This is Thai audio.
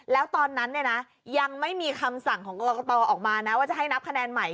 แล้วตอนนั้นเนี่ยนะยังไม่มีคำสั่งของกรกตออกมานะว่าจะให้นับคะแนนใหม่